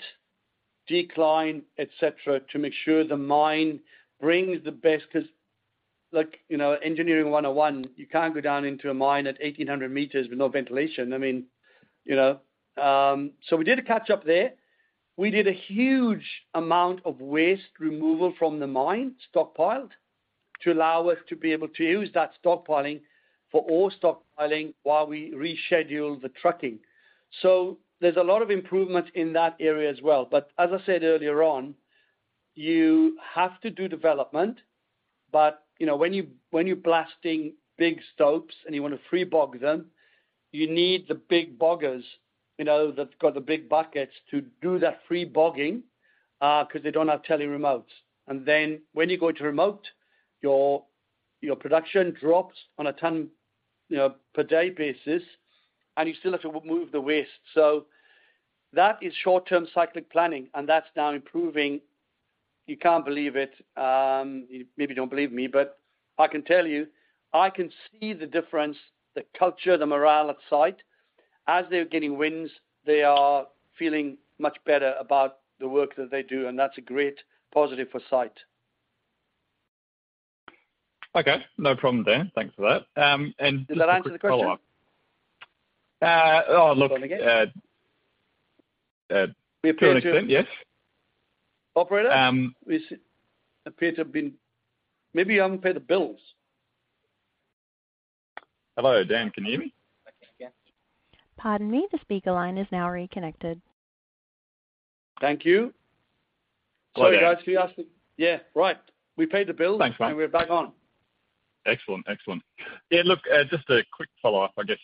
decline, et cetera, to make sure the mine brings the best. 'Cause look, you know, engineering one on one, you can't go down into a mine at 1,800 meters with no ventilation. I mean, you know. We did a catch up there. We did a huge amount of waste removal from the mine stockpiled to allow us to be able to use that stockpiling for all stockpiling while we reschedule the trucking. There's a lot of improvements in that area as well. As I said earlier on, you have to do development. You know, when you're blasting big stopes and you wanna free bog them, you need the big boggers, you know, that got the big buckets to do that free bogging, 'cause they don't have tele-remotes. When you go to remote, your production drops on a ton, you know, per day basis, and you still have to move the waste. That is short-term cyclic planning, and that's now improving. You can't believe it. You maybe don't believe me, but I can tell you, I can see the difference, the culture, the morale at site. As they're getting wins, they are feeling much better about the work that they do, and that's a great positive for site.
Okay. No problem, Dan. Thanks for that.
Did that answer the question?
oh, look-
Go on again.
To an extent, yes.
Operator?
Um-
We appear to have been... Maybe you haven't paid the bills.
Hello, Dan, can you hear me?
I can. Yeah.
Pardon me. The speaker line is now reconnected.
Thank you.
Hello.
Sorry, guys. We asked the... Yeah. Right. We paid the bill-
Thanks, man.
We're back on.
Excellent. Excellent. Yeah, look, just a quick follow-up. I guess,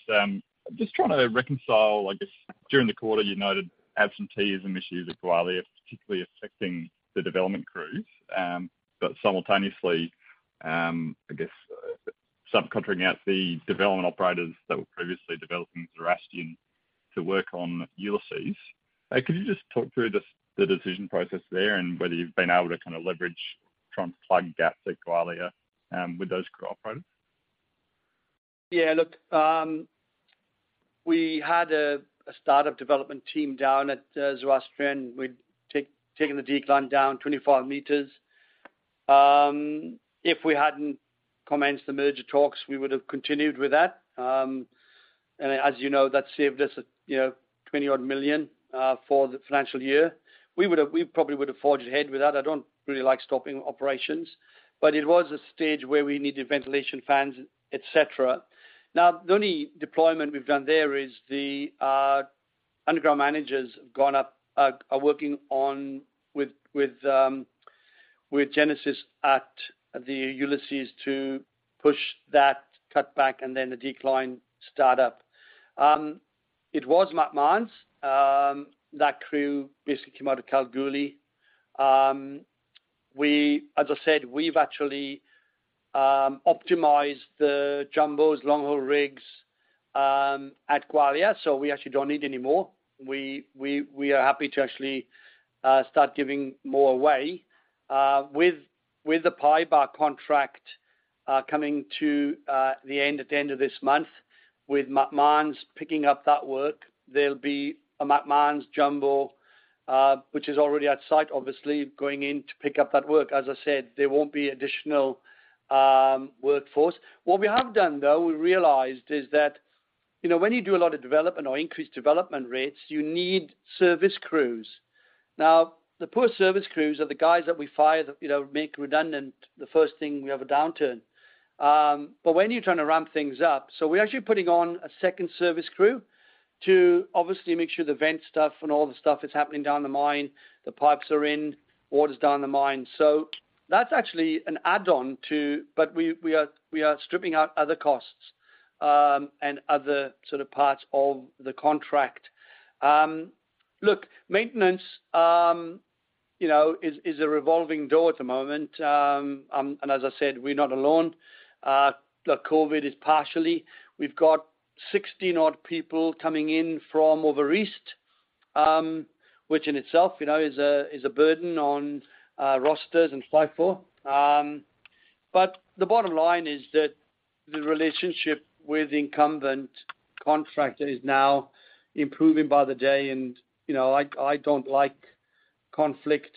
just trying to reconcile, I guess during the quarter, you noted absentees and issues at Gwalia, particularly affecting the development crews, but simultaneously, I guess, subcontracting out the development operators that were previously developing Zoroastrian to work on Ulysses. Could you just talk through the decision process there and whether you've been able to kinda leverage, try and plug gaps at Gwalia, with those crew operators?
We had a start-up development team down at Zoroastrian. We'd taken the decline down 25 meters. If we hadn't commenced the merger talks, we would have continued with that. As you know, that saved us, you know, 20 odd million for the financial year. We probably would have forged ahead with that. I don't really like stopping operations. It was a stage where we needed ventilation fans, et cetera. The only deployment we've done there is the underground managers have gone up, are working on with Genesis at the Ulysses to push that cut back and then the decline start up. It was Mark Mines. That crew basically came out of Kalgoorlie. As I said, we've actually optimized the jumbos long-haul rigs at Gwalia, so we actually don't need any more. We are happy to actually start giving more away with the PYBAR contract coming to the end at the end of this month, with Macmahon picking up that work, there'll be a Macmahon's jumbo, which is already at site, obviously going in to pick up that work. As I said, there won't be additional workforce. What we have done, though, we realized, is that, you know, when you do a lot of development or increased development rates, you need service crews. The poor service crews are the guys that we fire, that, you know, make redundant the first thing we have a downturn. When you're trying to ramp things up. We're actually putting on a second service crew to obviously make sure the vent stuff and all the stuff is happening down the mine, the pipes are in, water's down the mine. That's actually an add-on to. We are stripping out other costs and other sort of parts of the contract. Look, maintenance, you know, is a revolving door at the moment. As I said, we're not alone. The COVID is partially. We've got 16 odd people coming in from over East, which in itself, you know, is a burden on rosters and so forth. The bottom line is that the relationship with incumbent contractor is now improving by the day and, you know, I don't like conflict,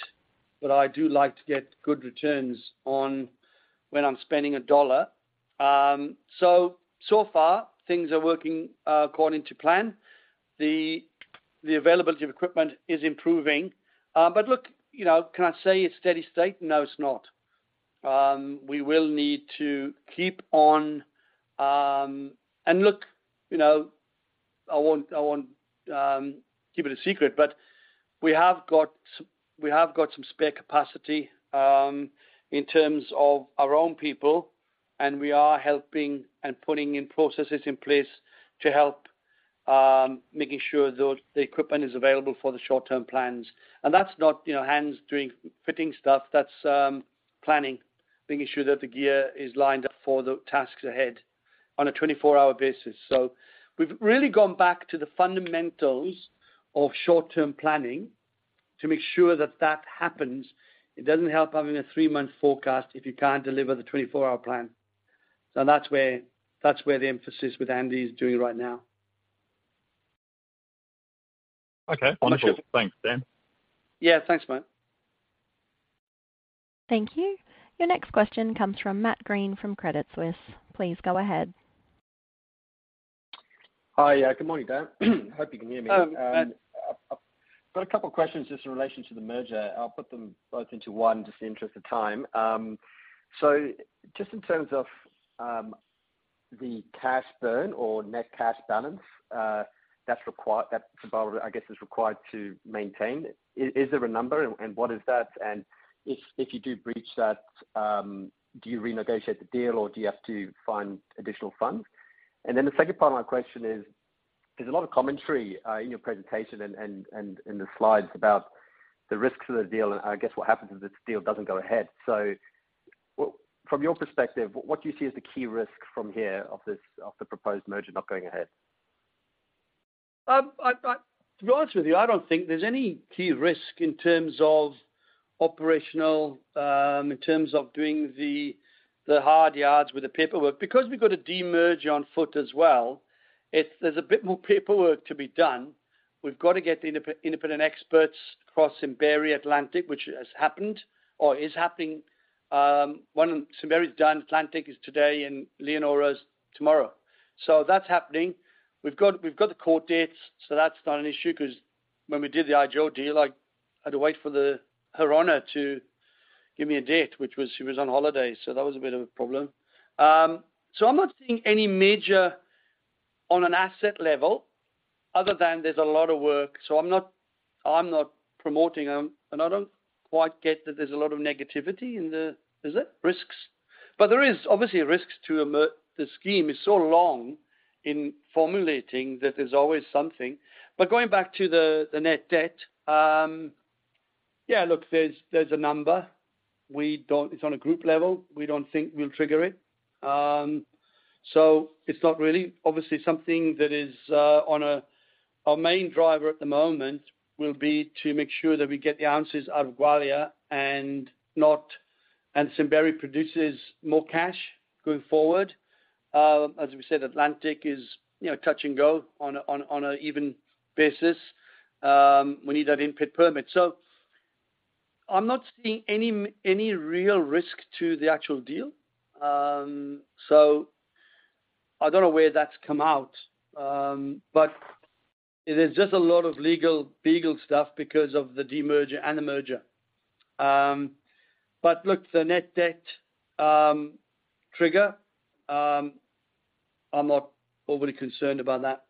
but I do like to get good returns on when I'm spending $1. So far, things are working according to plan. The availability of equipment is improving. Look, you know, can I say it's steady-state? No, it's not. We will need to keep on. Look, you know, I won't keep it a secret, but we have got some spare capacity in terms of our own people, and we are helping and putting in processes in place to help making sure the equipment is available for the short-term plans. That's not, you know, hands doing fitting stuff, that's planning, making sure that the gear is lined up for the tasks ahead on a 24-hour basis. We've really gone back to the fundamentals of short-term planning to make sure that that happens. It doesn't help having a 3-month forecast if you can't deliver the 24-hour plan. That's where the emphasis with Andy is doing right now.
Okay. Wonderful.
That's it.
Thanks, Dan.
Yeah. Thanks, mate.
Thank you. Your next question comes from Matt Greene from Credit Suisse. Please go ahead.
Hi. Good morning, Dan. Hope you can hear me.
Oh, yeah.
I've got a couple of questions just in relation to the merger. I'll put them both into one just in the interest of time. Just in terms of the cash burn or net cash balance, that's required, I guess, is required to maintain. Is there a number and what is that? If you do breach that, do you renegotiate the deal or do you have to find additional funds? The second part of my question is, there's a lot of commentary in your presentation and in the slides about the risks of the deal, and I guess what happens if this deal doesn't go ahead. From your perspective, what do you see as the key risk from here of the proposed merger not going ahead?
To be honest with you, I don't think there's any key risk in terms of operational, in terms of doing the hard yards with the paperwork. We've got a de-merge on foot as well, there's a bit more paperwork to be done. We've got to get the independent experts across Simberi, Atlantic, which has happened or is happening. One, Simberi is done. Atlantic is today and Leonora's tomorrow. That's happening. We've got the court dates, that's not an issue because when we did the IGO deal, I had to wait for Her Honor to give me a date, which was, she was on holiday, that was a bit of a problem. I'm not seeing any major on an asset level other than there's a lot of work. I'm not promoting them. I don't quite get that there's a lot of negativity in the risks. There is obviously risks. The scheme is so long in formulating that there's always something. Going back to the net debt, there's a number. It's on a group level. We don't think we'll trigger it. It's not really. Obviously, something that is Our main driver at the moment will be to make sure that we get the answers out of Gwalia and Simberi produces more cash going forward. As we said, Atlantic is, you know, touch and go on a even basis. We need that input permit. I'm not seeing any real risk to the actual deal. I don't know where that's come out. It is just a lot of6 legal beagle stuff because of the demerger and the merger. Look, the net debt trigger, I'm not overly concerned about that.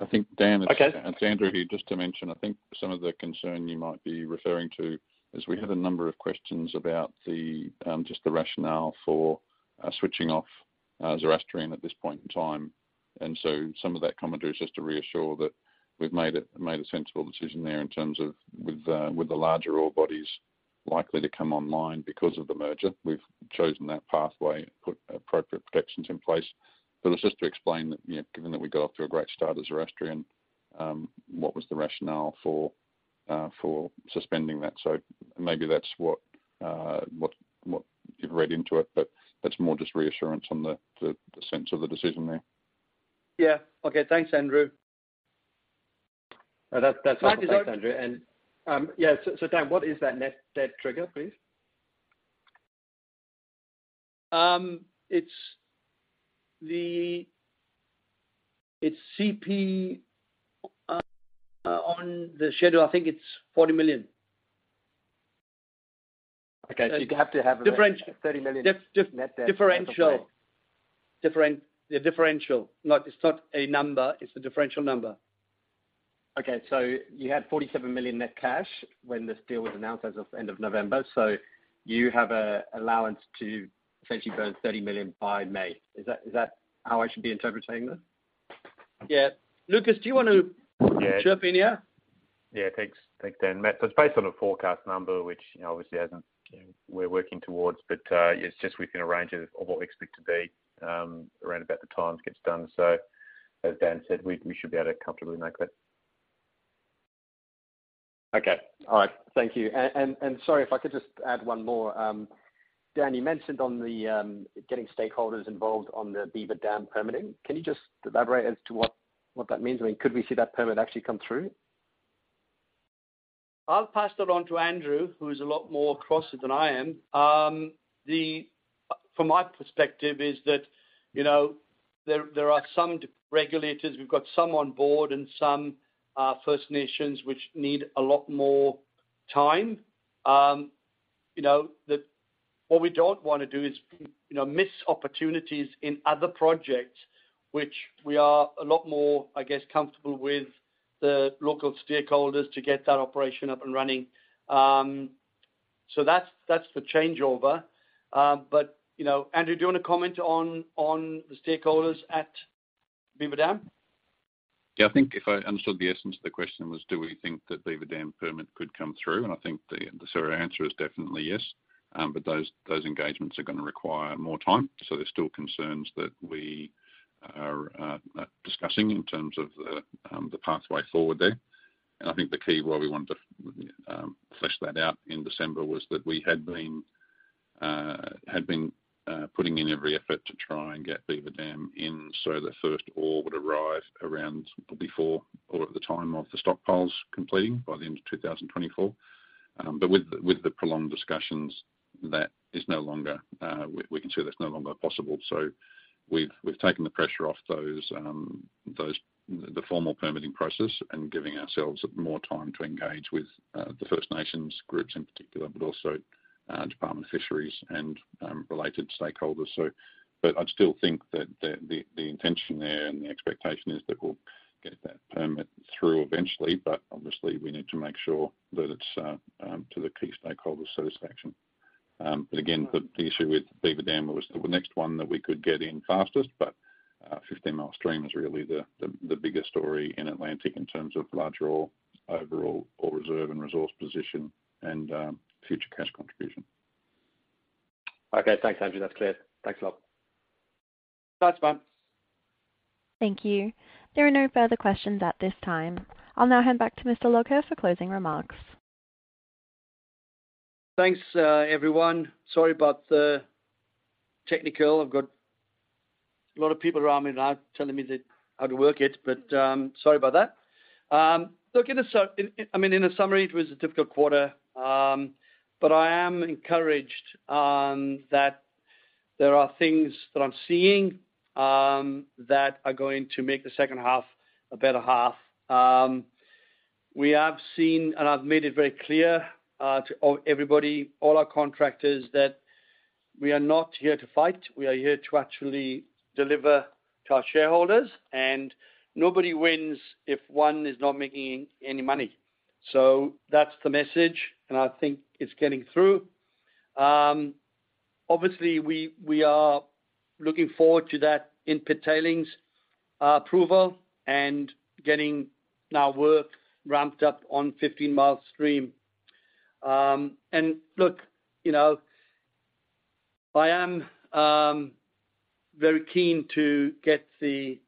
I think, Dan,
Okay.
It's Andrew here. Just to mention, I think some of the concern you might be referring to is we have a number of questions about the just the rationale for switching off Zoroastrian at this point in time. Some of that commentary is just to reassure that we've made a sensible decision there in terms of with the larger ore bodies likely to come online because of the merger. We've chosen that pathway, put appropriate protections in place. It's just to explain that, you know, given that we got off to a great start as Zoroastrian, what was the rationale for suspending that? Maybe that's what you've read into it, that's more just reassurance on the sense of the decision there.
Yeah. Okay. Thanks, Andrew.
That's. Thanks, Andrew. Yeah, so Dan, what is that net debt trigger, please?
It's CP on the schedule. I think it's 40 million.
Okay. you'd have to have-
Differential.
30 million.
Differential. Yeah, differential. It's not a number, it's a differential number.
You had 47 million net cash when this deal was announced as of end of November. You have allowance to essentially burn 30 million by May. Is that how I should be interpreting that?
Yeah. Lucas, do you?
Yeah.
chip in, yeah?
Yeah, thanks, Dan. Matt, it's based on a forecast number which, you know, obviously hasn't, you know, we're working towards, but it's just within a range of what we expect to be around about the time it gets done. As Dan said, we should be able to comfortably make that.
Okay. All right. Thank you. Sorry, if I could just add one more. Dan, you mentioned on the getting stakeholders involved on the Beaver Dam permitting. Can you just elaborate as to what that means? I mean, could we see that permit actually come through?
I'll pass that on to Andrew, who's a lot more across it than I am. From my perspective is that, you know, there are some regulators. We've got some on board and some First Nations which need a lot more time. You know, what we don't wanna do is, you know, miss opportunities in other projects, which we are a lot more, I guess, comfortable with the local stakeholders to get that operation up and running. That's the changeover. You know, Andrew, do you wanna comment on the stakeholders at Beaver Dam?
I think if I understood the essence of the question was do we think that Beaver Dam permit could come through, I think the sort of answer is definitely yes. Those engagements are gonna require more time. There's still concerns that we are discussing in terms of the pathway forward there. I think the key why we wanted to flesh that out in December was that we had been putting in every effort to try and get Beaver Dam in so the first ore would arrive around or before or at the time of the stockpiles completing by the end of 2024. With the prolonged discussions, that is no longer, we can see that's no longer possible. We've taken the pressure off those, the formal permitting process and giving ourselves more time to engage with the First Nations groups in particular, but also Department of Fisheries and related stakeholders. I'd still think that the intention there and the expectation is that we'll get that permit through eventually, but obviously we need to make sure that it's to the key stakeholder's satisfaction. Again, the issue with Beaver Dam was the next one that we could get in fastest, but Fifteen Mile Stream is really the bigger story in Atlantic in terms of larger ore, overall ore reserve and resource position and future cash contribution.
Okay. Thanks, Andrew. That's clear. Thanks a lot.
Thanks, mate.
Thank you. There are no further questions at this time. I'll now hand back to Mr. Lougher for closing remarks.
Thanks, everyone. Sorry about the technical. I've got a lot of people around me now telling me that how to work it, but, sorry about that. Look, I mean, in a summary, it was a difficult quarter, but I am encouraged that there are things that I'm seeing that are going to make the second half a better half. We have seen, and I've made it very clear to everybody, all our contractors, that we are not here to fight. We are here to actually deliver to our shareholders, and nobody wins if one is not making any money. That's the message, and I think it's getting through. Obviously we are looking forward to that in-pit tailings approval and getting now work ramped up on 15 Mile Stream. Look, you know, I am very keen to get the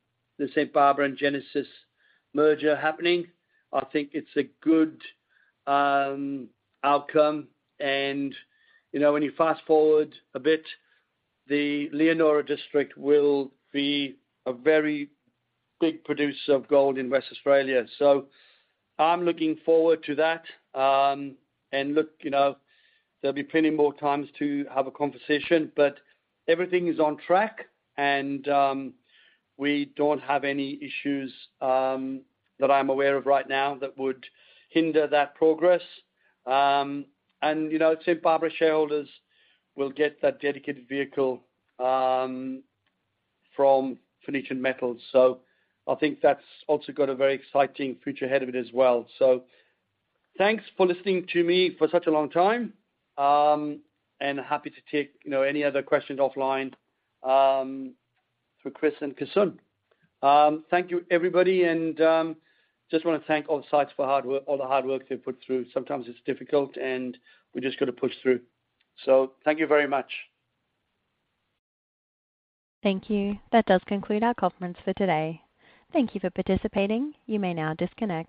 St Barbara and Genesis merger happening. I think it's a good outcome and, you know, when you fast-forward a bit, the Leonora District will be a very big producer of gold in West Australia. I'm looking forward to that. Look, you know, there'll be plenty more times to have a conversation, but everything is on track and we don't have any issues that I'm aware of right now that would hinder that progress. You know, St Barbara shareholders will get that dedicated vehicle from Phoenician Metals. I think that's also got a very exciting future ahead of it as well. Thanks for listening to me for such a long time, and happy to take, you know, any other questions offline, through Chris and Kasun. Thank you, everybody, and just wanna thank all sites for hard work, all the hard work they've put through. Sometimes it's difficult, and we just gotta push through. Thank you very much.
Thank you. That does conclude our conference for today. Thank you for participating. You may now disconnect.